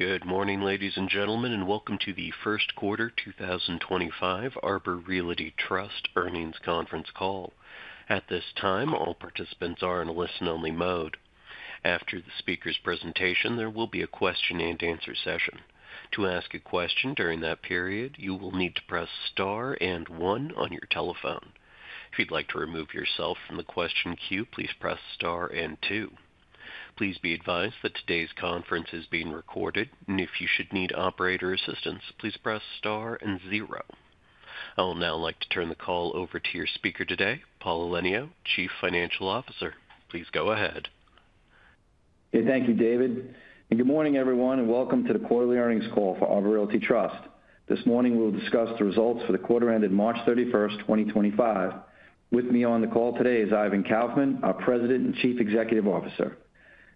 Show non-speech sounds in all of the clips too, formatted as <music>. Good morning, ladies and gentlemen, and welcome to the Q1 2025 Arbor Realty Trust earnings conference call. At this time, all participants are in listen-only mode. After the speaker's presentation, there will be a question-and-answer session. To ask a question during that period, you will need to press star and one on your telephone. If you'd like to remove yourself from the question queue, please press star and two. Please be advised that today's conference is being recorded, and if you should need operator assistance, please press star and zero. I will now like to turn the call over to your speaker today, Paul Elenio, Chief Financial Officer. Please go ahead. Thank you, David. Good morning, everyone, and welcome to the quarterly earnings call for Arbor Realty Trust. This morning, we'll discuss the results for the quarter ended 31 March 2025. With me on the call today is Ivan Kaufman, our President and Chief Executive Officer.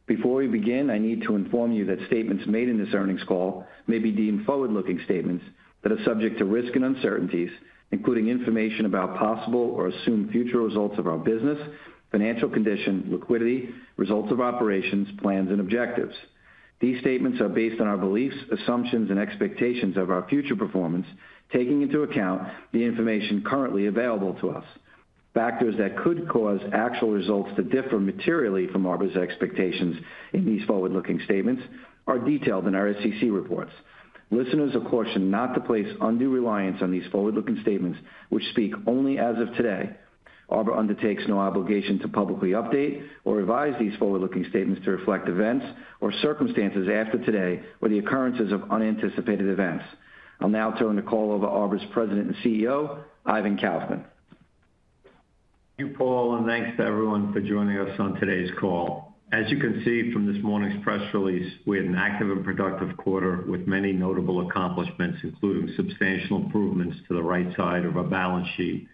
Before we begin, I need to inform you that statements made in this earnings call may be deemed forward-looking statements that are subject to risk and uncertainties, including information about possible or assumed future results of our business, financial condition, liquidity, results of operations, plans, and objectives. These statements are based on our beliefs, assumptions, and expectations of our future performance, taking into account the information currently available to us. Factors that could cause actual results to differ materially from Arbor's expectations in these forward-looking statements are detailed in our SEC reports. Listeners, of course, should not place undue reliance on these forward-looking statements, which speak only as of today. Arbor undertakes no obligation to publicly update or revise these forward-looking statements to reflect events or circumstances after today or the occurrences of unanticipated events. I'll now turn the call over to Arbor's President and CEO, Ivan Kaufman. Thank you, Paul, and thanks to everyone for joining us on today's call. As you can see from this morning's press release, we had an active and productive quarter with many notable accomplishments, including substantial improvements to the right side of our balance sheet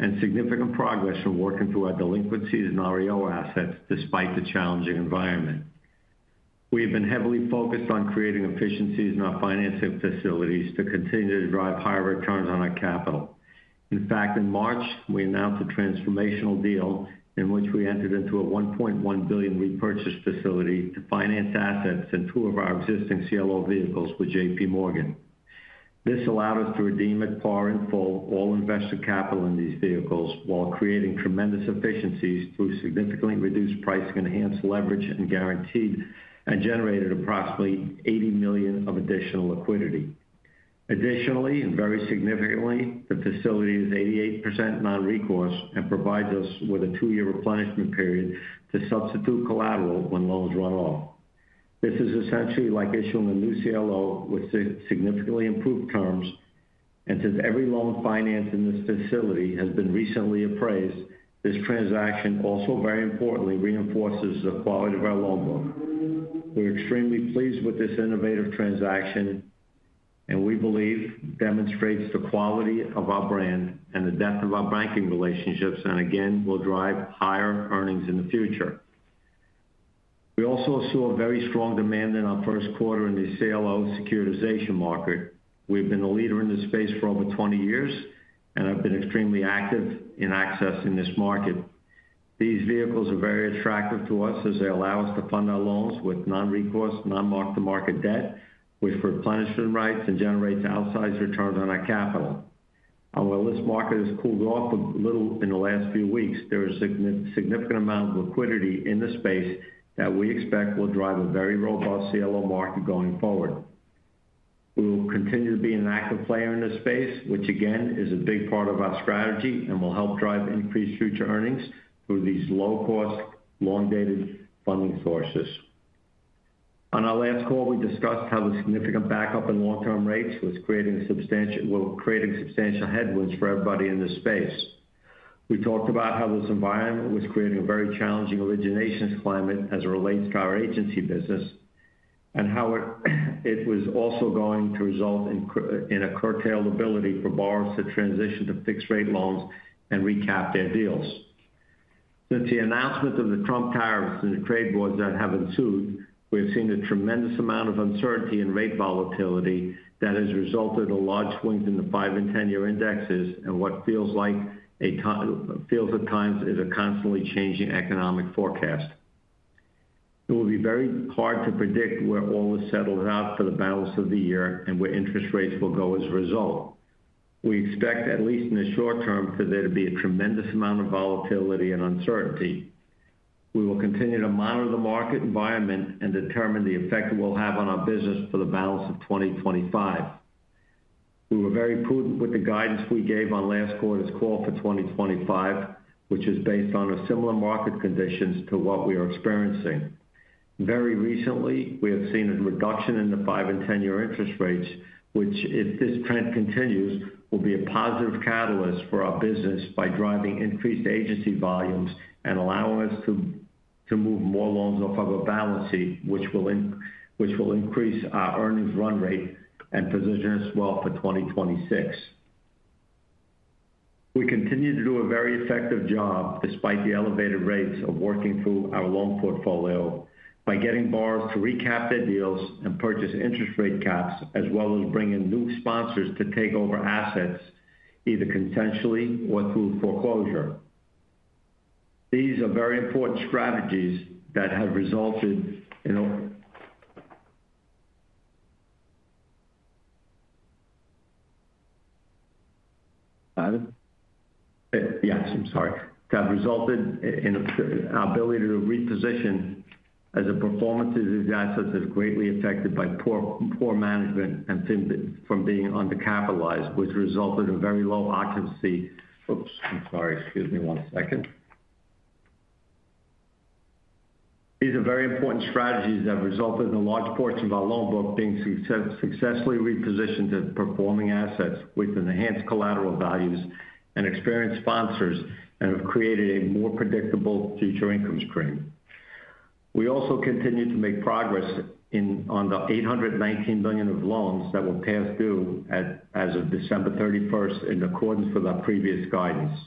and significant progress in working through our delinquencies and REO assets despite the challenging environment. We have been heavily focused on creating efficiencies in our financing facilities to continue to drive higher returns on our capital. In fact, in March, we announced a transformational deal in which we entered into a $1.1 billion repurchase facility to finance assets in two of our existing CLO vehicles with JPMorgan. This allowed us to redeem at par and full all investor capital in these vehicles while creating tremendous efficiencies through significantly reduced pricing, enhanced leverage, and generated approximately $80 million of additional liquidity. Additionally, and very significantly, the facility is 88% non-recourse and provides us with a two-year replenishment period to substitute collateral when loans run off. This is essentially like issuing a new CLO with significantly improved terms. Since every loan financed in this facility has been recently appraised, this transaction also, very importantly, reinforces the quality of our loan book. We're extremely pleased with this innovative transaction, and we believe it demonstrates the quality of our brand and the depth of our banking relationships, and again, will drive higher earnings in the future. We also saw very strong demand in our Q1 in the CLO securitization market. We've been a leader in this space for over 20 years and have been extremely active in accessing this market. These vehicles are very attractive to us as they allow us to fund our loans with non-recourse, non-mark-to-market debt, which replenishes rights and generates outsized returns on our capital. While this market has cooled off a little in the last few weeks, there is a significant amount of liquidity in the space that we expect will drive a very robust CLO market going forward. We will continue to be an active player in this space, which again is a big part of our strategy and will help drive increased future earnings through these low-cost, long-dated funding sources. On our last call, we discussed how the significant backup in long-term rates were creating substantial headwinds for everybody in this space. We talked about how this environment was creating a very challenging originations climate as it relates to our agency business and how it was also going to result in a curtailed ability for borrowers to transition to fixed-rate loans and recap their deals. Since the announcement of the Trump tariffs and the trade wars that have ensued, we have seen a tremendous amount of uncertainty in rate volatility that has resulted in large swings in the five and ten-year indexes and what feels like at times is a constantly changing economic forecast. It will be very hard to predict where all is settled out for the balance of the year and where interest rates will go as a result. We expect, at least in the short term, there to be a tremendous amount of volatility and uncertainty. We will continue to monitor the market environment and determine the effect it will have on our business for the balance of 2025. We were very prudent with the guidance we gave on last quarter's call for 2025, which is based on similar market conditions to what we are experiencing. Very recently, we have seen a reduction in the five and ten-year interest rates, which, if this trend continues, will be a positive catalyst for our business by driving increased agency volumes and allowing us to move more loans off of our balance sheet, which will increase our earnings run rate and position us well for 2026. We continue to do a very effective job despite the elevated rates of working through our loan portfolio by getting borrowers to recap their deals and purchase interest rate caps, as well as bringing new sponsors to take over assets either consensually or through foreclosure. These are very important strategies that have resulted in. <crosstalk> Yes, I'm sorry. That have resulted in our ability to reposition as a performance of these assets is greatly affected by poor management and <inaudible> from being undercapitalized, which resulted in very low occupancy. Oops, I'm sorry. Excuse me one second. These are very important strategies that have resulted in a large portion of our loan book being successfully repositioned as performing assets with enhanced collateral values and experienced sponsors and have created a more predictable future income stream. We also continue to make progress on the $819 million of loans that were past due as of December 31 in accordance with our previous guidance.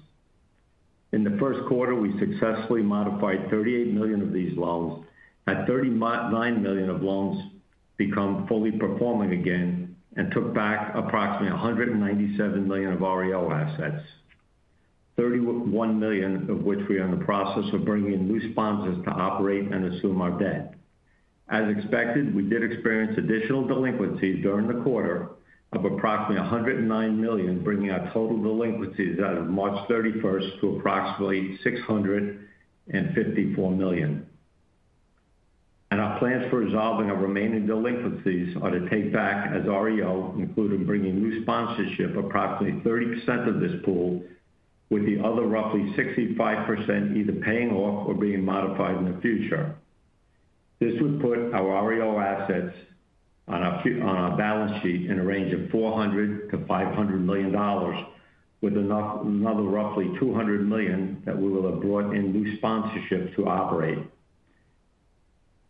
In the Q1, we successfully modified $38 million of these loans. That $39 million of loans became fully performing again and took back approximately $197 million of REO assets, $31 million of which we are in the process of bringing in new sponsors to operate and assume our debt. As expected, we did experience additional delinquencies during the quarter of approximately $109 million, bringing our total delinquencies as of March 31 to approximately $654 million. Our plans for resolving our remaining delinquencies are to take back as REO, including bringing new sponsorship, approximately 30% of this pool, with the other roughly 65% either paying off or being modified in the future. This would put our REO assets on our balance sheet in a range of $400 to 500 million, with another roughly $200 million that we will have brought in new sponsorship to operate.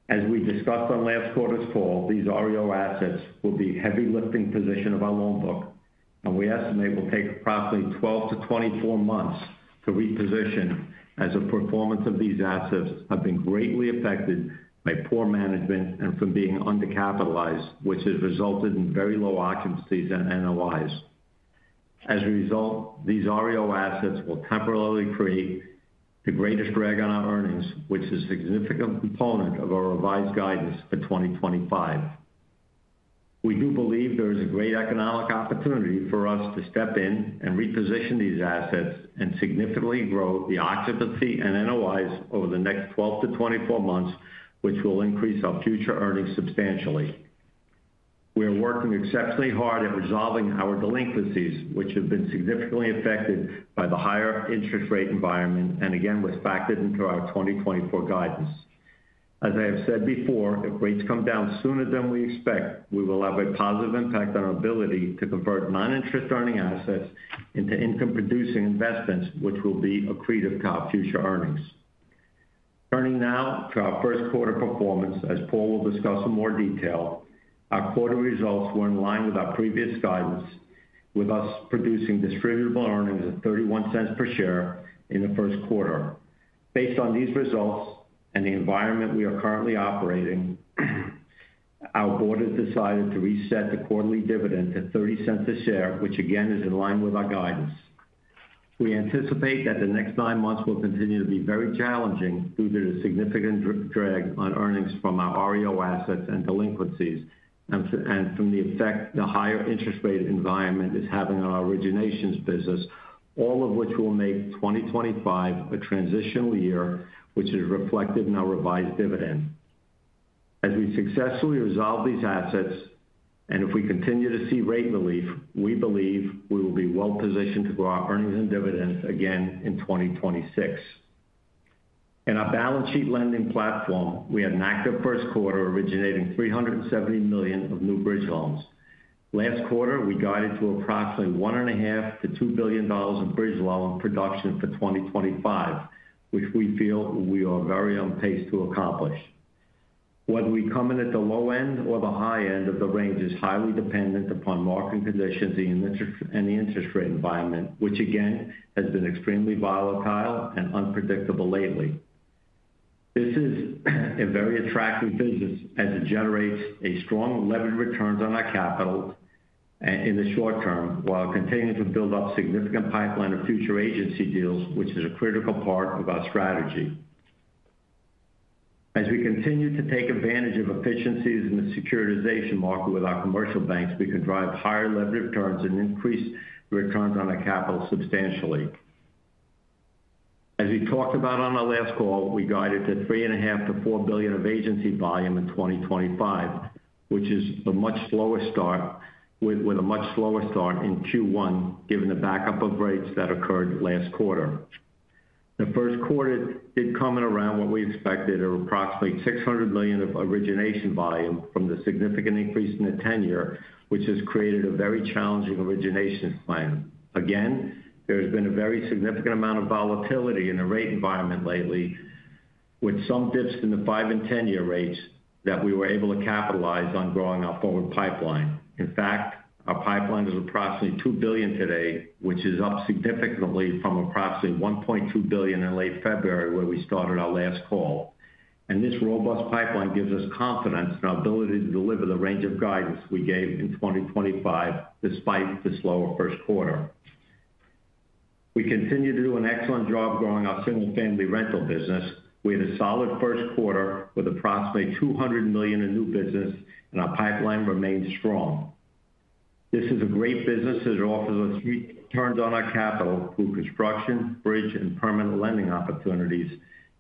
As we discussed on last quarter's call, these REO assets will be heavy lifting position of our loan book, and we estimate it will take approximately 12 to 24 months to reposition as the performance of these assets has been greatly affected by poor management and from being undercapitalized, which has resulted in very low occupancies and NOIs. As a result, these REO assets will temporarily create the greatest drag on our earnings, which is a significant component of our revised guidance for 2025. We do believe there is a great economic opportunity for us to step in and reposition these assets and significantly grow the occupancy and NOIs over the next 12-24 months, which will increase our future earnings substantially. We are working exceptionally hard at resolving our delinquencies, which have been significantly affected by the higher interest rate environment and again reflected in our 2024 guidance. As I have said before, if rates come down sooner than we expect, we will have a positive impact on our ability to convert non-interest earning assets into income-producing investments, which will be accretive to our future earnings. Turning now to our Q1 performance, as Paul will discuss in more detail, our quarter results were in line with our previous guidance, with us producing distributable earnings of $0.31 per share in the Q1. Based on these results and the environment we are currently operating, our board has decided to reset the quarterly dividend to $0.30 a share, which again is in line with our guidance. We anticipate that the next nine months will continue to be very challenging due to the significant drag on earnings from our REO assets and delinquencies and from the effect the higher interest rate environment is having on our originations business, all of which will make 2025 a transitional year, which is reflected in our revised dividend. As we successfully resolve these assets and if we continue to see rate relief, we believe we will be well positioned to grow our earnings and dividends again in 2026. In our balance sheet lending platform, we had an active Q1 originating $370 million of new bridge loans. Last quarter, we guided to approximately $1.5 billion to 2 billion of bridge loan production for 2025, which we feel we are very on pace to accomplish. Whether we come in at the low end or the high end of the range is highly dependent upon market conditions and the interest rate environment, which again has been extremely volatile and unpredictable lately. This is a very attractive business as it generates strong leverage returns on our capital in the short term, while it continues to build up a significant pipeline of future agency deals, which is a critical part of our strategy. As we continue to take advantage of efficiencies in the securitization market with our commercial banks, we can drive higher leverage returns and increase returns on our capital substantially. As we talked about on our last call, we guided to $3.5 billion to 4 billion of agency volume in 2025, which is a much slower start, with a much slower start in Q1 given the backup of rates that occurred last quarter. The Q1 did come in around what we expected of approximately $600 million of origination volume from the significant increase in the 10-year which has created a very challenging originations plan. Again, there has been a very significant amount of volatility in the rate environment lately, with some dips in the five and ten-year rates that we were able to capitalize on growing our forward pipeline. In fact, our pipeline is approximately $2 billion today, which is up significantly from approximately $1.2 billion in late February where we started our last call. This robust pipeline gives us confidence in our ability to deliver the range of guidance we gave in 2025 despite the slower Q1. We continue to do an excellent job growing our single-family rental business. We had a solid Q1 with approximately $200 million in new business, and our pipeline remains strong. This is a great business as it offers us returns on our capital through construction, bridge, and permanent lending opportunities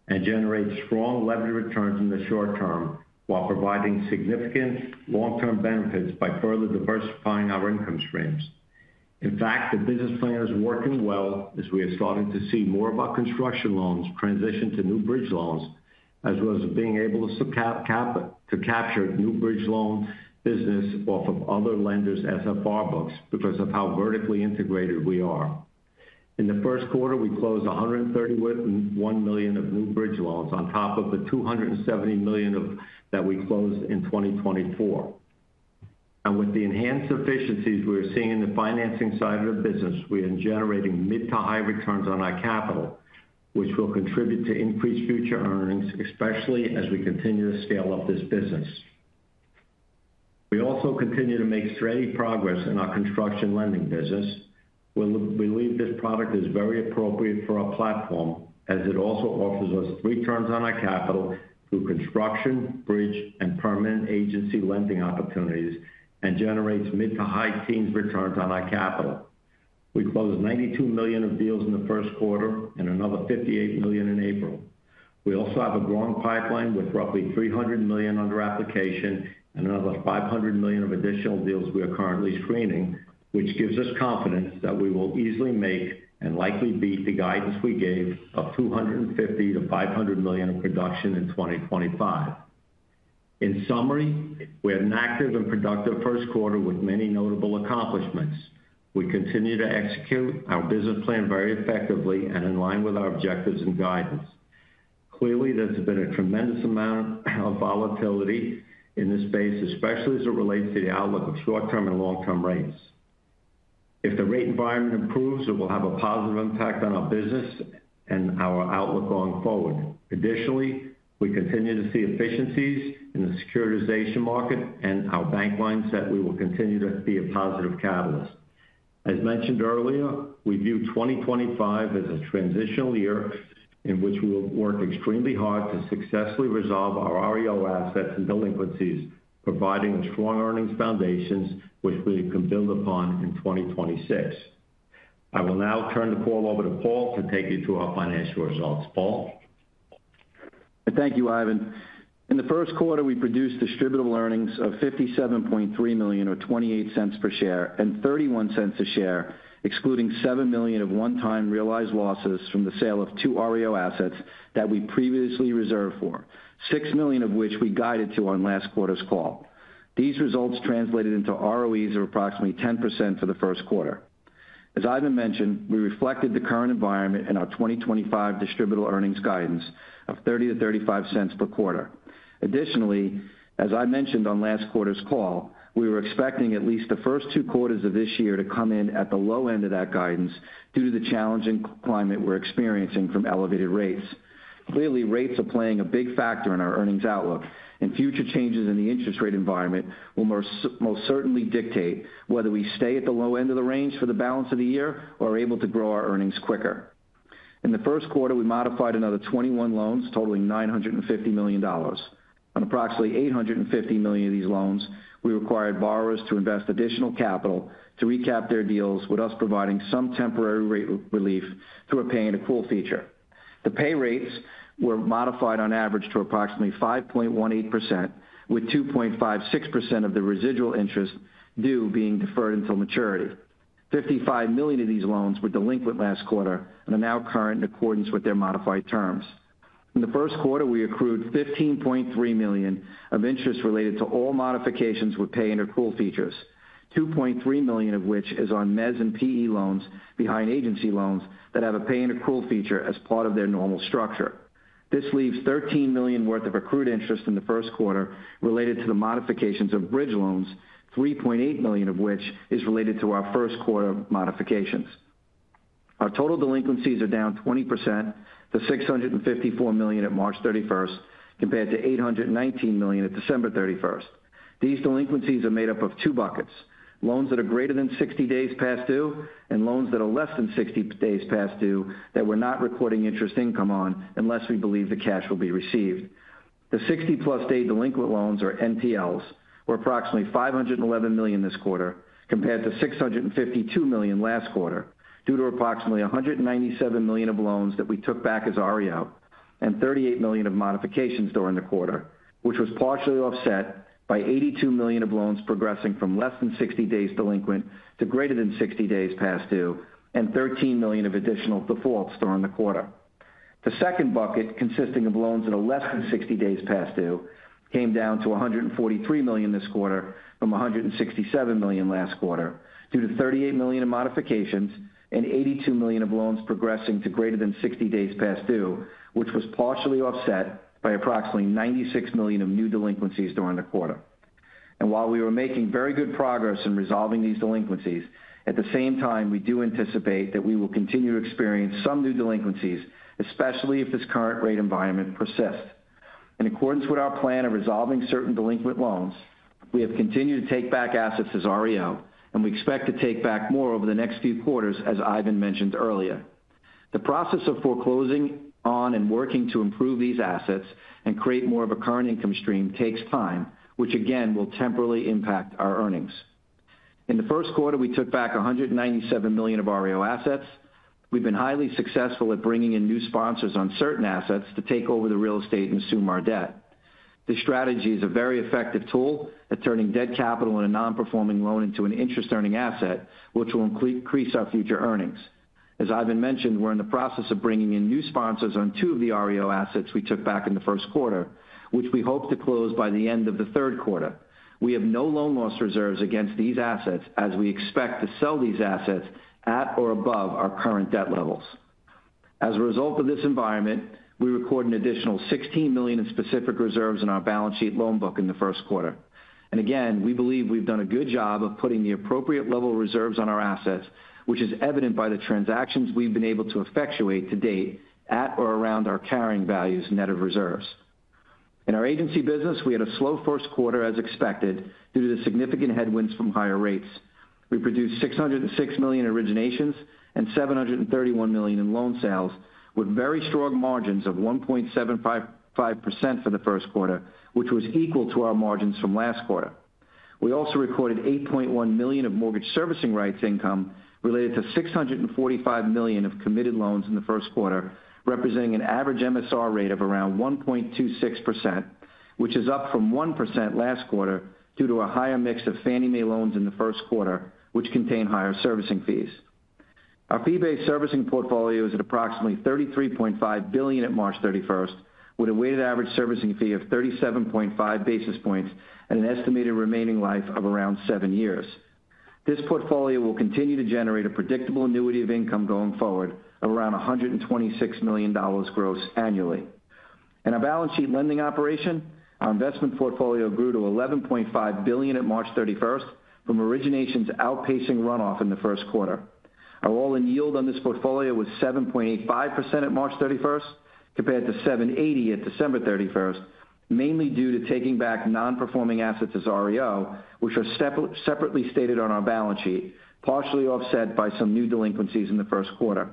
and generates strong leverage returns in the short term while providing significant long-term benefits by further diversifying our income streams. In fact, the business plan is working well as we are starting to see more of our construction loans transition to new bridge loans, as well as being able to capture new bridge loan business off of other lenders' SFR books because of how vertically integrated we are. In the Q1, we closed $131 million of new bridge loans on top of the $270 million that we closed in 2024. With the enhanced efficiencies we are seeing in the financing side of the business, we are generating mid to high returns on our capital, which will contribute to increased future earnings, especially as we continue to scale up this business. We also continue to make steady progress in our construction lending business. We believe this product is very appropriate for our platform as it also offers us returns on our capital through construction, bridge, and permanent agency lending opportunities and generates mid to high teens returns on our capital. We closed $92 million of deals in the Q1 and another $58 million in April. We also have a growing pipeline with roughly $300 million under application and another $500 million of additional deals we are currently screening, which gives us confidence that we will easily make and likely beat the guidance we gave of $250 to 500 million of production in 2025. In summary, we had an active and productive Q1 with many notable accomplishments. We continue to execute our business plan very effectively and in line with our objectives and guidance. Clearly, there has been a tremendous amount of volatility in this space, especially as it relates to the outlook of short-term and long-term rates. If the rate environment improves, it will have a positive impact on our business and our outlook going forward. Additionally, we continue to see efficiencies in the securitization market and our bank lines that we will continue to be a positive catalyst. As mentioned earlier, we view 2025 as a transitional year in which we will work extremely hard to successfully resolve our REO assets and delinquencies, providing strong earnings foundations which we can build upon in 2026. I will now turn the call over to Paul to take you to our financial results. Paul. Thank you, Ivan. In the Q1, we produced distributable earnings of $57.3 million or $0.28 per share and $0.31 a share, excluding $7 million of one-time realized losses from the sale of two REO assets that we previously reserved for, $6 million of which we guided to on last quarter's call. These results translated into ROEs of approximately 10% for the Q1. As Ivan mentioned, we reflected the current environment in our 2025 distributable earnings guidance of $0.30 to 0.35 per quarter. Additionally, as I mentioned on last quarter's call, we were expecting at least the first two quarters of this year to come in at the low end of that guidance due to the challenging climate we're experiencing from elevated rates. Clearly, rates are playing a big factor in our earnings outlook, and future changes in the interest rate environment will most certainly dictate whether we stay at the low end of the range for the balance of the year or are able to grow our earnings quicker. In the Q1, we modified another 21 loans totaling $950 million. On approximately $850 million of these loans, we required borrowers to invest additional capital to recap their deals with us providing some temporary rate relief through a pay-and-accrual feature. The pay rates were modified on average to approximately 5.18%, with 2.56% of the residual interest due being deferred until maturity. $55 million of these loans were delinquent last quarter and are now current in accordance with their modified terms. In theQ1, we accrued $15.3 million of interest related to all modifications with pay-and-accrual features, $2.3 million of which is on mezz and PE loans behind agency loans that have a pay-and-accrual feature as part of their normal structure. This leaves $13 million worth of accrued interest in the Q1 related to the modifications of bridge loans, $3.8 million of which is related to our Q1 modifications. Our total delinquencies are down 20% to $654 million at March 31 compared to $819 million at December 31. These delinquencies are made up of two buckets: loans that are greater than 60 days past due and loans that are less than 60 days past due that we're not recording interest income on unless we believe the cash will be received. The 60-plus day delinquent loans, or NPLs, were approximately $511 million this quarter compared to $652 million last quarter due to approximately $197 million of loans that we took back as REO and $38 million of modifications during the quarter, which was partially offset by $82 million of loans progressing from less than 60 days delinquent to greater than 60 days past due and $13 million of additional defaults during the quarter. The second bucket, consisting of loans that are less than 60 days past due, came down to $143 million this quarter from $167 million last quarter due to $38 million of modifications and $82 million of loans progressing to greater than 60 days past due, which was partially offset by approximately $96 million of new delinquencies during the quarter. While we were making very good progress in resolving these delinquencies, at the same time, we do anticipate that we will continue to experience some new delinquencies, especially if this current rate environment persists. In accordance with our plan of resolving certain delinquent loans, we have continued to take back assets as REO, and we expect to take back more over the next few quarters, as Ivan mentioned earlier. The process of foreclosing on and working to improve these assets and create more of a current income stream takes time, which again will temporarily impact our earnings. In the Q1, we took back $197 million of REO assets. We've been highly successful at bringing in new sponsors on certain assets to take over the real estate and assume our debt. This strategy is a very effective tool at turning dead capital in a non-performing loan into an interest-earning asset, which will increase our future earnings. As Ivan mentioned, we're in the process of bringing in new sponsors on two of the REO assets we took back in the Q1, which we hope to close by the end of the Q3. We have no loan loss reserves against these assets as we expect to sell these assets at or above our current debt levels. As a result of this environment, we record an additional $16 million in specific reserves in our balance sheet loan book in the Q1. We believe we have done a good job of putting the appropriate level of reserves on our assets, which is evident by the transactions we have been able to effectuate to date at or around our carrying values net of reserves. In our agency business, we had a slow Q1 as expected due to the significant headwinds from higher rates. We produced $606 million in originations and $731 million in loan sales, with very strong margins of 1.75% for the Q1, which was equal to our margins from last quarter. We also recorded $8.1 million of mortgage servicing rights income related to $645 million of committed loans in the Q1, representing an average MSR rate of around 1.26%, which is up from 1% last quarter due to a higher mix of Fannie Mae loans in the Q1, which contain higher servicing fees. Our fee-based servicing portfolio is at approximately $33.5 billion at March 31, with a weighted average servicing fee of 37.5 basis points and an estimated remaining life of around seven years. This portfolio will continue to generate a predictable annuity of income going forward of around $126 million gross annually. In our balance sheet lending operation, our investment portfolio grew to $11.5 billion at March 31 from originations outpacing runoff in the Q1. Our all-in yield on this portfolio was 7.85% at March 31 compared to 7.80% at December 31, mainly due to taking back non-performing assets as REO, which are separately stated on our balance sheet, partially offset by some new delinquencies in the Q1.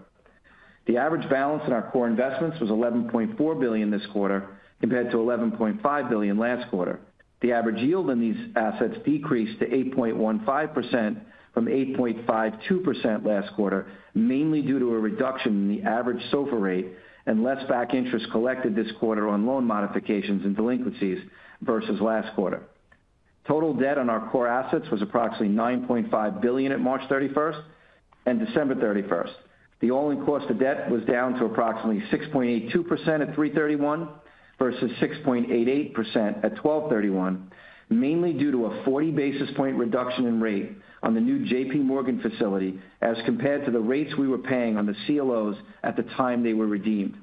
The average balance in our core investments was $11.4 billion this quarter compared to $11.5 billion last quarter. The average yield on these assets decreased to 8.15% from 8.52% last quarter, mainly due to a reduction in the average SOFR rate and less back interest collected this quarter on loan modifications and delinquencies versus last quarter. Total debt on our core assets was approximately $9.5 billion at March 31 and December 31. The all-in cost of debt was down to approximately 6.82% at 3/31 versus 6.88% at 12/31, mainly due to a 40 basis point reduction in rate on the new JPMorgan facility as compared to the rates we were paying on the CLOs at the time they were redeemed.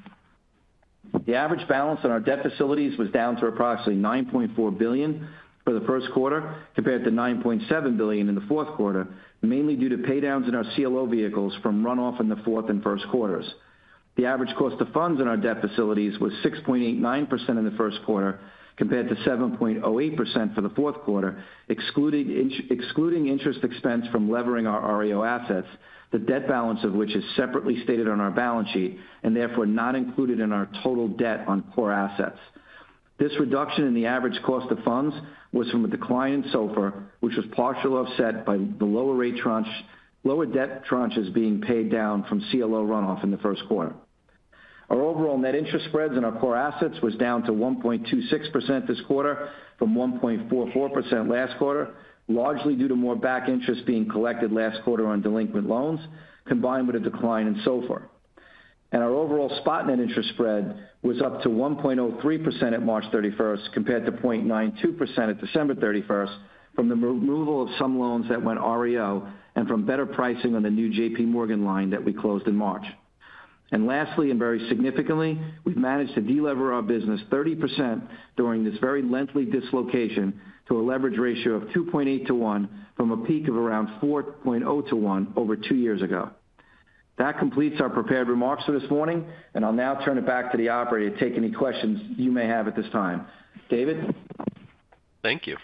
The average balance on our debt facilities was down to approximately $9.4 billion for the Q1 compared to $9.7 billion in the Q4, mainly due to paydowns in our CLO vehicles from runoff in the Q4 and Q1quarters. The average cost of funds on our debt facilities was 6.89% in the Q1 compared to 7.08% for the Q4, excluding interest expense from levering our REO assets, the debt balance of which is separately stated on our balance sheet and therefore not included in our total debt on core assets. This reduction in the average cost of funds was from a decline in SOFR, which was partially offset by the lower debt tranches being paid down from CLO runoff in the Q1. Our overall net interest spreads on our core assets was down to 1.26% this quarter from 1.44% last quarter, largely due to more back interest being collected last quarter on delinquent loans combined with a decline in SOFR. Our overall spot net interest spread was up to 1.03% at March 31 compared to 0.92% at December 31 from the removal of some loans that went REO and from better pricing on the new JPMorgan line that we closed in March. Lastly, and very significantly, we have managed to delever our business 30% during this very lengthy dislocation to a leverage ratio of 2.8-1 from a peak of around 4.0-1 over two years ago. That completes our prepared remarks for this morning, and I will now turn it back to the operator to take any questions you may have at this time. David. Thank you.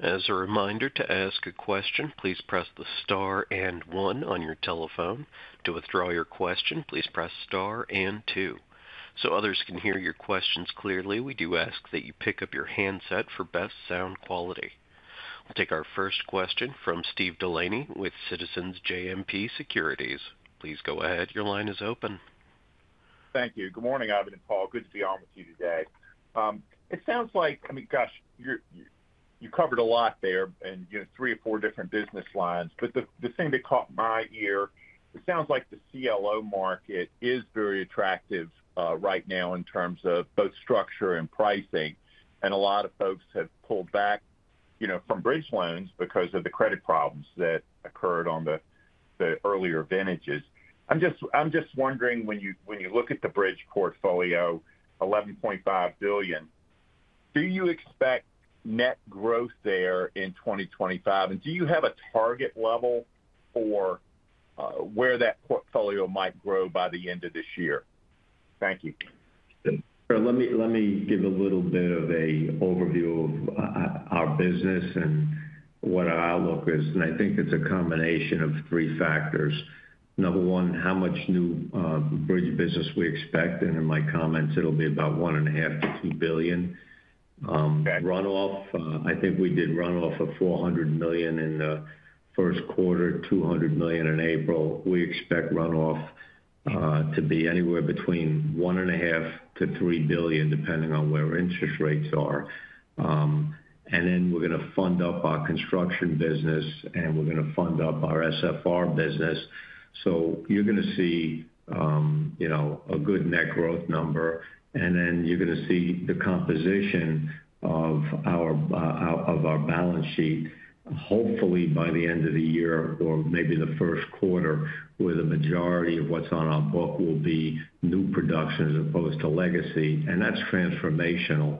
As a reminder to ask a question, please press the star and one on your telephone. To withdraw your question, please press star and two. So others can hear your questions clearly, we do ask that you pick up your handset for best sound quality. We'll take our first question from Steve Delaney with Citizens JMP Securities. Please go ahead. Your line is open. Thank you. Good morning, Ivan and Paul. Good to be on with you today. It sounds like, I mean, gosh, you covered a lot there in three or four different business lines, but the thing that caught my ear, it sounds like the CLO market is very attractive right now in terms of both structure and pricing, and a lot of folks have pulled back from bridge loans because of the credit problems that occurred on the earlier vintages. I'm just wondering, when you look at the bridge portfolio, $11.5 billion, do you expect net growth there in 2025, and do you have a target level for where that portfolio might grow by the end of this year? Thank you. Let me give a little bit of an overview of our business and what our outlook is, and I think it's a combination of three factors. Number one, how much new bridge business we expect, and in my comments, it'll be about $1.5 billion to 2 billion. Runoff, I think we did runoff of $400 million in the Q1, $200 million in April. We expect runoff to be anywhere between $1.5 billion and 3 billion, depending on where interest rates are. We are going to fund up our construction business, and we are going to fund up our SFR business. You're going to see a good net growth number, and then you're going to see the composition of our balance sheet, hopefully by the end of the year or maybe the Q1, where the majority of what's on our book will be new production as opposed to legacy. That's transformational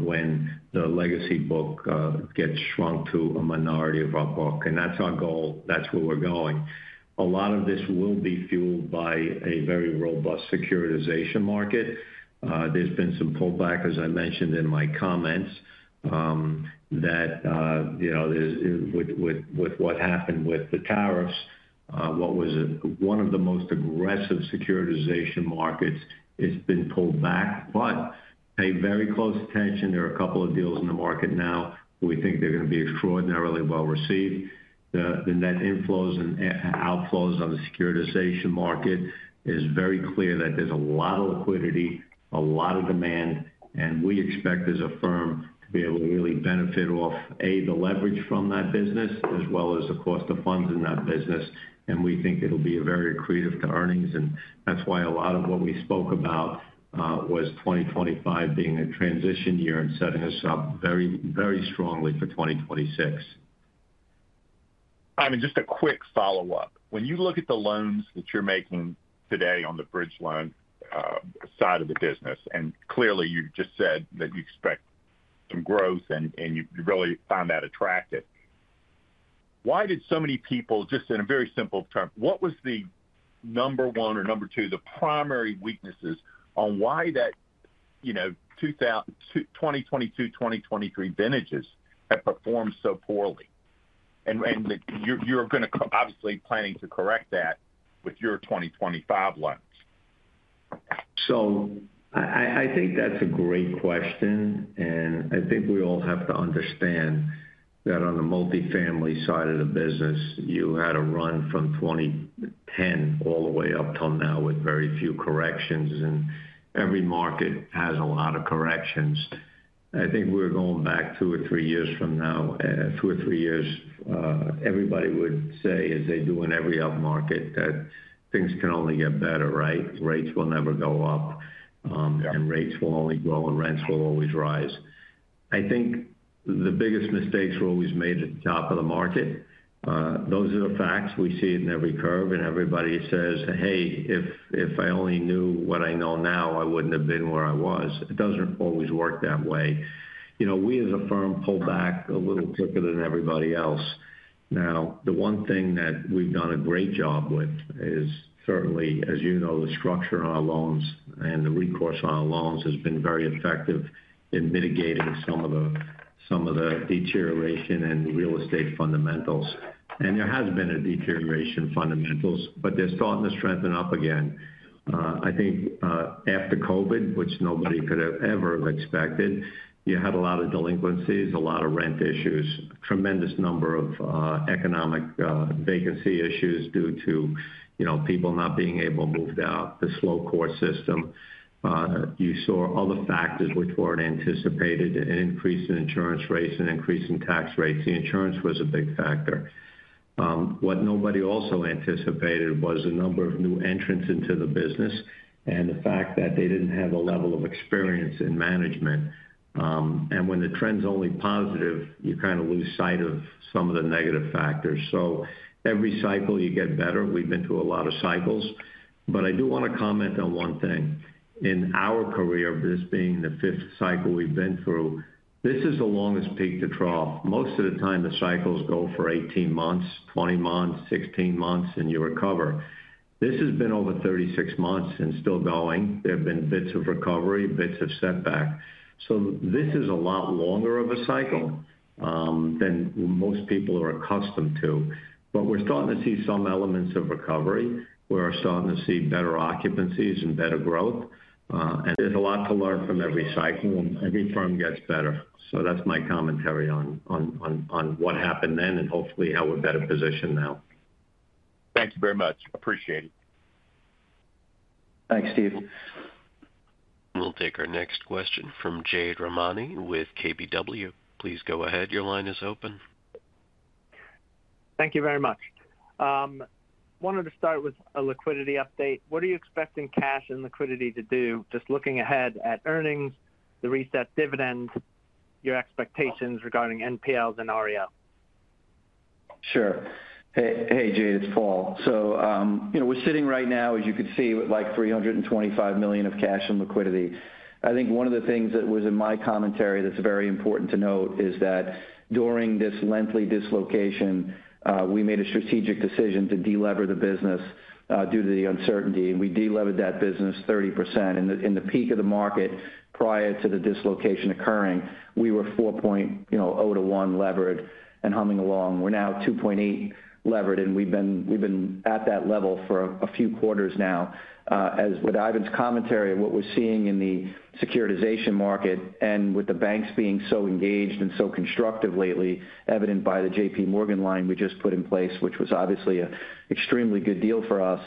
when the legacy book gets shrunk to a minority of our book, and that's our goal. That's where we're going. A lot of this will be fueled by a very robust securitization market. There's been some pullback, as I mentioned in my comments, that with what happened with the tariffs, what was one of the most aggressive securitization markets, it's been pulled back. Pay very close attention. There are a couple of deals in the market now. We think they're going to be extraordinarily well received. The net inflows and outflows on the securitization market is very clear that there's a lot of liquidity, a lot of demand, and we expect as a firm to be able to really benefit off, A, the leverage from that business, as well as the cost of funds in that business, and we think it'll be very accretive to earnings. That is why a lot of what we spoke about was 2025 being a transition year and setting us up very strongly for 2026. Ivan, just a quick follow-up. When you look at the loans that you're making today on the bridge loan side of the business, and clearly you just said that you expect some growth and you really found that attractive, why did so many people, just in a very simple term, what was the number one or number two, the primary weaknesses on why that 2022, 2023 vintages have performed so poorly? You are going to obviously planning to correct that with your 2025 loans. I think that's a great question, and I think we all have to understand that on the multifamily side of the business, you had a run from 2010 all the way up till now with very few corrections, and every market has a lot of corrections. I think we're going back two or three years from now, two or three years, everybody would say, as they do in every upmarket, that things can only get better, right? Rates will never go up, and rates will only grow, and rents will always rise. I think the biggest mistakes were always made at the top of the market. Those are the facts. We see it in every curve, and everybody says, "Hey, if I only knew what I know now, I wouldn't have been where I was." It doesn't always work that way. We, as a firm, pull back a little quicker than everybody else. Now, the one thing that we've done a great job with is certainly, as you know, the structure on our loans and the recourse on our loans has been very effective in mitigating some of the deterioration in real estate fundamentals. There has been a deterioration in fundamentals, but they're starting to strengthen up again. I think after COVID, which nobody could have ever expected, you had a lot of delinquencies, a lot of rent issues, a tremendous number of economic vacancy issues due to people not being able to move out, the slow court system. You saw other factors which weren't anticipated, an increase in insurance rates and an increase in tax rates. The insurance was a big factor. What nobody also anticipated was the number of new entrants into the business and the fact that they didn't have a level of experience in management. And when the trend's only positive, you kind of lose sight of some of the negative factors. Every cycle, you get better. We've been through a lot of cycles. I do want to comment on one thing. In our career, this being the fifth cycle we've been through, this is the longest peak to trough. Most of the time, the cycles go for 18 months, 20 months, 16 months, and you recover. This has been over 36 months and still going. There have been bits of recovery, bits of setback. This is a lot longer of a cycle than most people are accustomed to. We're starting to see some elements of recovery. We're starting to see better occupancies and better growth. There is a lot to learn from every cycle, and every firm gets better. That is my commentary on what happened then and hopefully how we're better positioned now. Thank you very much. Appreciate it. Thanks, Steve. We'll take our next question from Jade Rahmani with KBW. Please go ahead. Your line is open. Thank you very much. Wanted to start with a liquidity update. What are you expecting cash and liquidity to do, just looking ahead at earnings, the reset dividend, your expectations regarding NPLs and REO? Sure. Hey, Jade, it's Paul. We're sitting right now, as you can see, with like $325 million of cash and liquidity. I think one of the things that was in my commentary that's very important to note is that during this lengthy dislocation, we made a strategic decision to delever the business due to the uncertainty. We delevered that business 30%. In the peak of the market prior to the dislocation occurring, we were 4.0 to 1 levered and humming along. We're now 2.8 levered, and we've been at that level for a few quarters now. As with Ivan's commentary, what we're seeing in the securitization market and with the banks being so engaged and so constructive lately, evident by the JPMorgan line we just put in place, which was obviously an extremely good deal for us,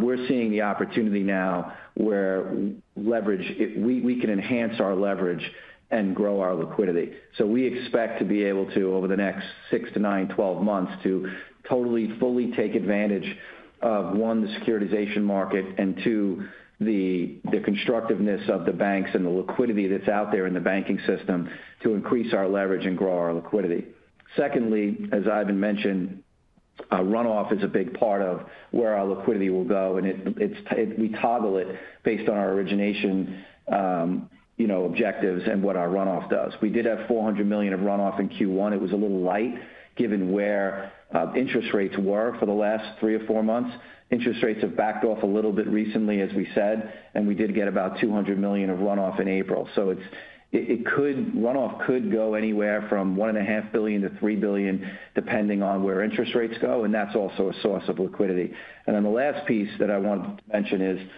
we're seeing the opportunity now where we can enhance our leverage and grow our liquidity. We expect to be able to, over the next 6-9, 12 months, to totally fully take advantage of, one, the securitization market, and two, the constructiveness of the banks and the liquidity that's out there in the banking system to increase our leverage and grow our liquidity. Secondly, as Ivan mentioned, runoff is a big part of where our liquidity will go, and we toggle it based on our origination objectives and what our runoff does. We did have $400 million of runoff in Q1. It was a little light given where interest rates were for the last three or four months. Interest rates have backed off a little bit recently, as we said, and we did get about $200 million of runoff in April. Runoff could go anywhere from $1.5 billion to 3 billion, depending on where interest rates go, and that's also a source of liquidity. The last piece that I wanted to mention is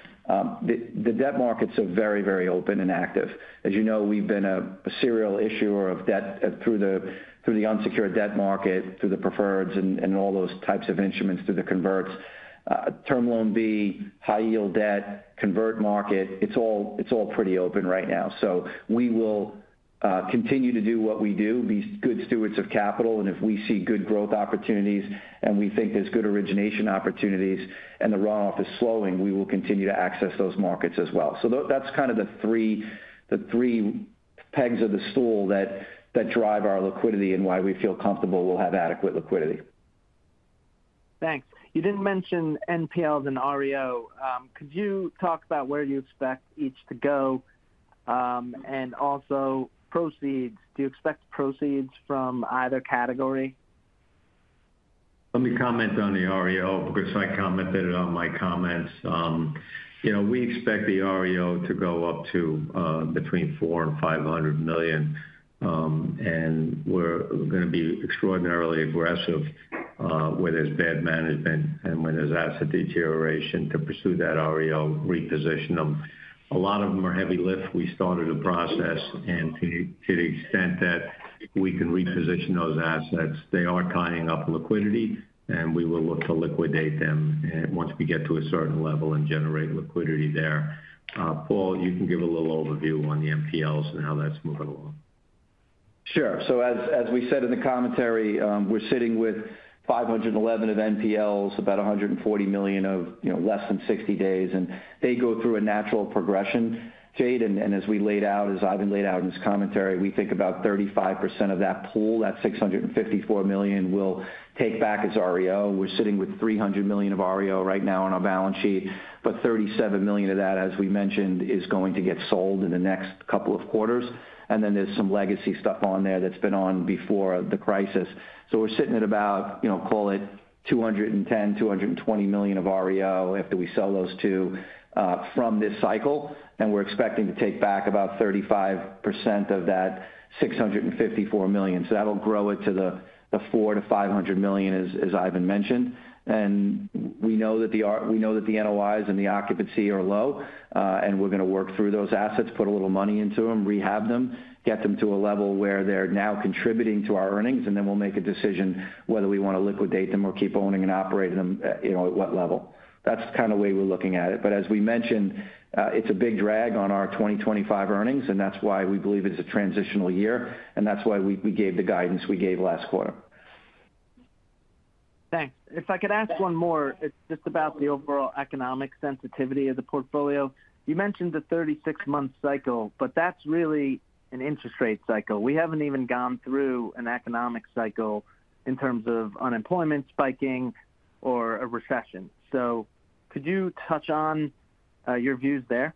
the debt markets are very, very open and active. As you know, we've been a serial issuer of debt through the unsecured debt market, through the preferreds and all those types of instruments, through the converts. Term Loan B, high-yield debt, convert market, it's all pretty open right now. We will continue to do what we do, be good stewards of capital, and if we see good growth opportunities and we think there's good origination opportunities and the runoff is slowing, we will continue to access those markets as well. That's kind of the three pegs of the stool that drive our liquidity and why we feel comfortable we'll have adequate liquidity. Thanks. You didn't mention NPLs and REO. Could you talk about where you expect each to go and also proceeds? Do you expect proceeds from either category? Let me comment on the REO because I commented on my comments. We expect the REO to go up to between $400 million and 500 million, and we're going to be extraordinarily aggressive where there's bad management and where there's asset deterioration to pursue that REO, reposition them. A lot of them are heavy lift. We started a process, and to the extent that we can reposition those assets, they are tying up liquidity, and we will look to liquidate them once we get to a certain level and generate liquidity there. Paul, you can give a little overview on the NPLs and how that's moving along. Sure. As we said in the commentary, we're sitting with $511 million of NPLs, about $140 million of less than 60 days, and they go through a natural progression. Jade, and as we laid out, as Ivan laid out in his commentary, we think about 35% of that pool, that $654 million, will take back as REO. We're sitting with $300 million of REO right now on our balance sheet, but $37 million of that, as we mentioned, is going to get sold in the next couple of quarters. There is some legacy stuff on there that's been on before the crisis. We're sitting at about, call it $210 million to 220 million of REO after we sell those two from this cycle, and we're expecting to take back about 35% of that $654 million. That'll grow it to the $400 million to 500 million, as Ivan mentioned. We know that the NOIs and the occupancy are low, and we're going to work through those assets, put a little money into them, rehab them, get them to a level where they're now contributing to our earnings, and then we'll make a decision whether we want to liquidate them or keep owning and operating them at what level. That's kind of the way we're looking at it. As we mentioned, it's a big drag on our 2025 earnings, and that's why we believe it's a transitional year, and that's why we gave the guidance we gave last quarter. Thanks. If I could ask one more, it's just about the overall economic sensitivity of the portfolio. You mentioned the 36-month cycle, but that's really an interest rate cycle. We haven't even gone through an economic cycle in terms of unemployment spiking or a recession. Could you touch on your views there?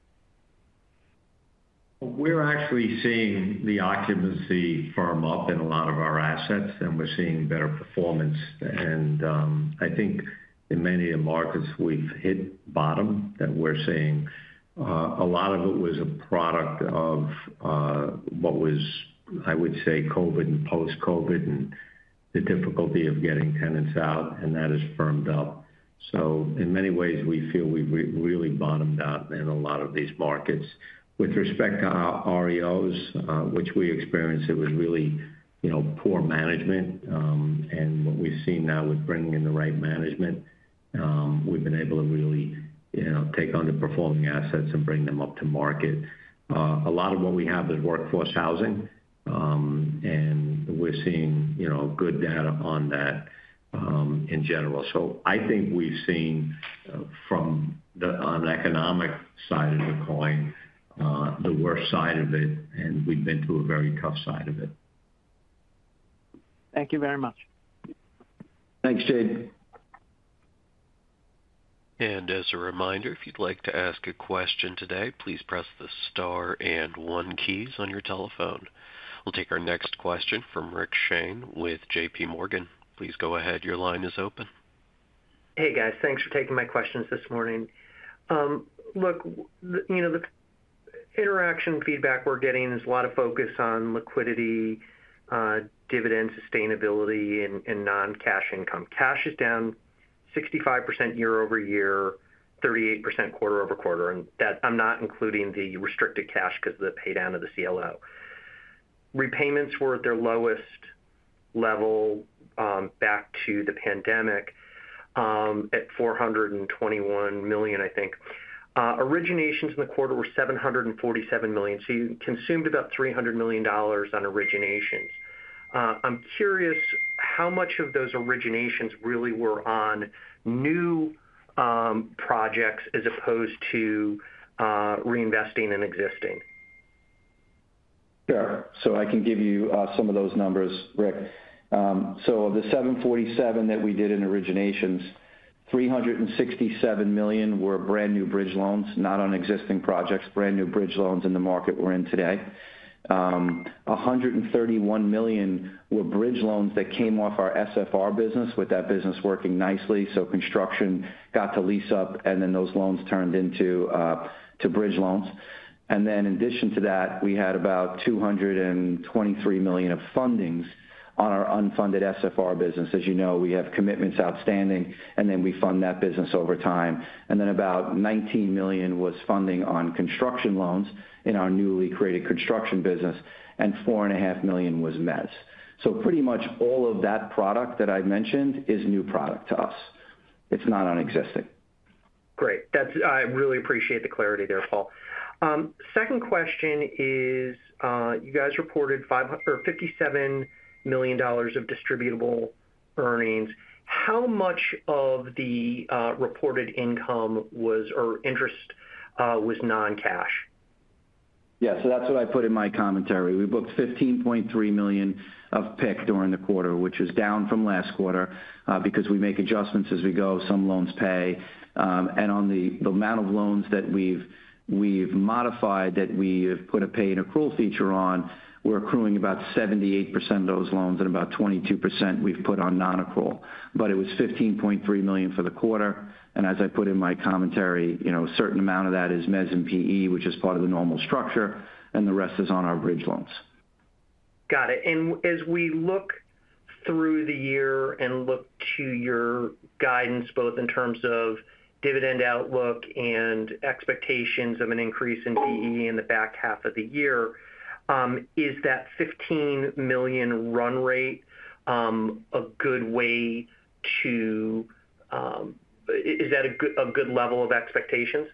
We're actually seeing the occupancy firm up in a lot of our assets, and we're seeing better performance. I think in many of the markets, we've hit bottom that we're seeing. A lot of it was a product of what was, I would say, COVID and post-COVID and the difficulty of getting tenants out, and that has firmed up. In many ways, we feel we've really bottomed out in a lot of these markets. With respect to our REOs, which we experienced, it was really poor management. What we've seen now with bringing in the right management, we've been able to really take underperforming assets and bring them up to market. A lot of what we have is workforce housing, and we're seeing good data on that in general. I think we've seen from the economic side of the coin the worst side of it, and we've been through a very tough side of it. Thank you very much. Thanks, Jade. As a reminder, if you'd like to ask a question today, please press the star and one keys on your telephone. We'll take our next question from Rick Shane with JPMorgan. Please go ahead. Your line is open. Hey, guys. Thanks for taking my questions this morning. Look, the interaction feedback we're getting is a lot of focus on liquidity, dividend sustainability, and non-cash income. Cash is down 65% year over year, 38% quarter over quarter. I'm not including the restricted cash because of the paydown of the CLO. Repayments were at their lowest level back to the pandemic at $421 million, I think. Originations in the quarter were $747 million. You consumed about $300 million on originations. I'm curious how much of those originations really were on new projects as opposed to reinvesting in existing. Sure. I can give you some of those numbers, Rick. Of the $747 million that we did in originations, $367 million were brand new bridge loans, not on existing projects. Brand new bridge loans in the market we're in today. $131 million were bridge loans that came off our SFR business with that business working nicely. Construction got to lease up, and then those loans turned into bridge loans. In addition to that, we had about $223 million of fundings on our unfunded SFR business. As you know, we have commitments outstanding, and we fund that business over time. About $19 million was funding on construction loans in our newly created construction business, and $450 million was Mezz. Pretty much all of that product that I mentioned is new product to us. It's not on existing. Great. I really appreciate the clarity there, Paul. Second question is, you guys reported $57 million of distributable earnings. How much of the reported income or interest was non-cash? Yeah. That is what I put in my commentary. We booked $15.3 million of PIK during the quarter, which is down from last quarter because we make adjustments as we go. Some loans pay. On the amount of loans that we have modified that we have put a pay and accrual feature on, we are accruing about 78% of those loans and about 22% we have put on non-accrual. It was $15.3 million for the quarter. As I put in my commentary, a certain amount of that is Mezz and PE, which is part of the normal structure, and the rest is on our bridge loans. Got it. As we look through the year and look to your guidance, both in terms of dividend outlook and expectations of an increase in PE in the back half of the year, is that $15 million run rate a good way to, is that a good level of expectations?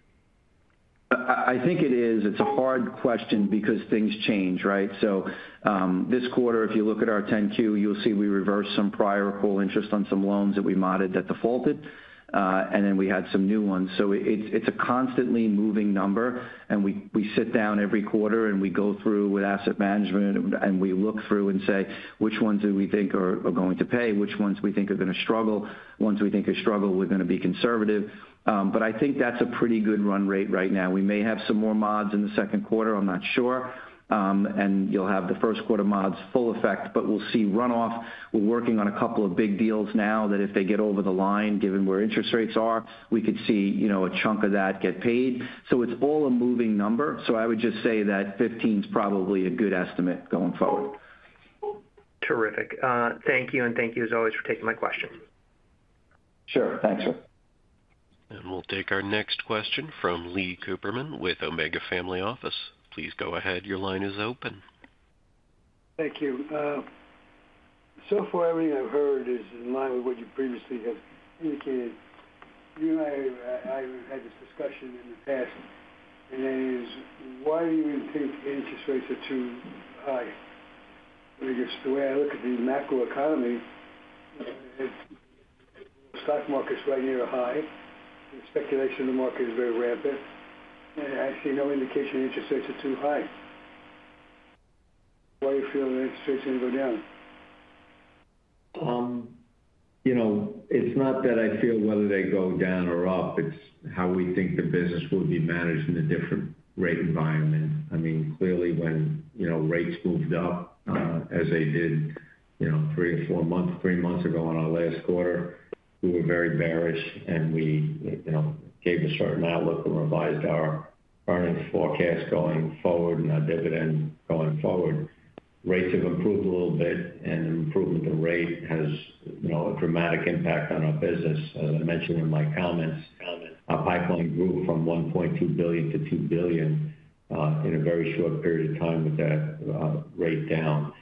I think it is. It's a hard question because things change, right? This quarter, if you look at our 10-Q, you'll see we reversed some prior accrual interest on some loans that we modded that defaulted, and then we had some new ones. It's a constantly moving number, and we sit down every quarter and we go through with asset management, and we look through and say, "Which ones do we think are going to pay? Which ones do we think are going to struggle? Ones we think are struggle, we're going to be conservative." I think that's a pretty good run rate right now. We may have some more mods in the Q2. I'm not sure. You'll have the Q1 mods full effect, but we'll see runoff. We're working on a couple of big deals now that if they get over the line, given where interest rates are, we could see a chunk of that get paid. It is all a moving number. I would just say that $15 million is probably a good estimate going forward. Terrific. Thank you. Thank you as always for taking my questions. Sure. Thanks, Rick. We'll take our next question from Leon Cooperman with Omega Family Office. Please go ahead. Your line is open. Thank you. So far, everything I've heard is in line with what you previously have indicated. You and I have had this discussion in the past, and that is, why do you think interest rates are too high? I guess the way I look at the macroeconomy, stock markets right near a high, and speculation in the market is very rampant. I see no indication interest rates are too high. Why do you feel that interest rates are going to go down? It's not that I feel whether they go down or up. It's how we think the business will be managed in a different rate environment. I mean, clearly when rates moved up, as they did three or four months ago on our last quarter, we were very bearish, and we gave a certain outlook and revised our earnings forecast going forward and our dividend going forward. Rates have improved a little bit, and improvement in rate has a dramatic impact on our business. As I mentioned in my comments, our pipeline grew from $1.2 billion to 2 billion in a very short period of time with that rate down.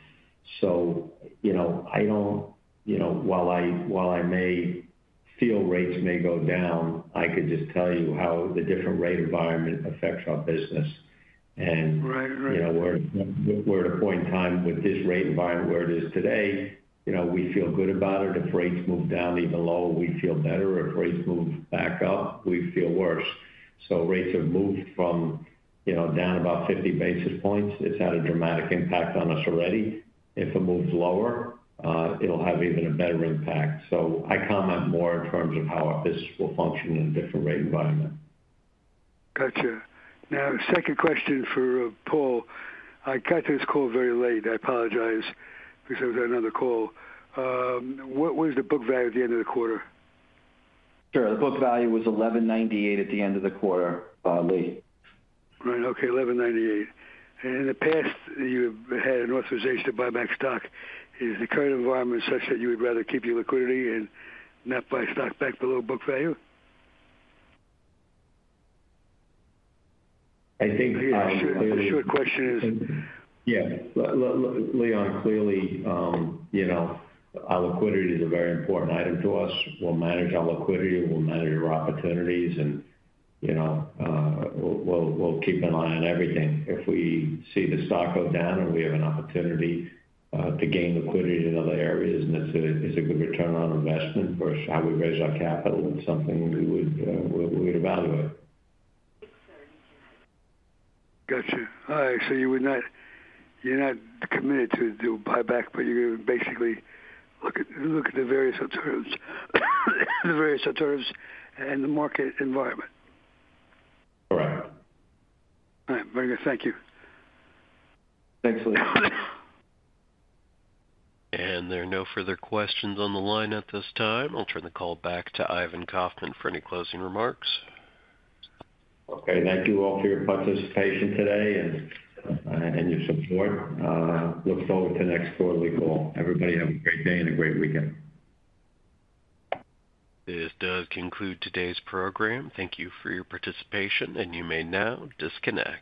While I may feel rates may go down, I could just tell you how the different rate environment affects our business. We're at a point in time with this rate environment where it is today. We feel good about it. If rates move down even low, we feel better. If rates move back up, we feel worse. Rates have moved down about 50 basis points. It has had a dramatic impact on us already. If it moves lower, it will have even a better impact. I comment more in terms of how our business will function in a different rate environment. Gotcha. Now, second question for Paul. I got this call very late. I apologize because I was on another call. What was the book value at the end of the quarter? Sure. The book value was $11.98 at the end of the quarter, Leon. Right. Okay. $11.98. In the past, you had an authorization to buy back stock. Is the current environment such that you would rather keep your liquidity and not buy stock back below book value? I think. Leon, I'm sorry. A short question is. Yeah. Leon, clearly, our liquidity is a very important item to us. We'll manage our liquidity. We'll manage our opportunities, and we'll keep an eye on everything. If we see the stock go down and we have an opportunity to gain liquidity in other areas and it's a good return on investment versus how we raise our capital, it's something we would evaluate. Gotcha. All right. You're not committed to do a buyback, but you're going to basically look at the various alternatives and the market environment. Correct. All right. Very good. Thank you. Thanks, Leon. There are no further questions on the line at this time. I'll turn the call back to Ivan Kaufman for any closing remarks. Okay. Thank you all for your participation today and your support. Look forward to the next quarterly call. Everybody have a great day and a great weekend. This does conclude today's program. Thank you for your participation, and you may now disconnect.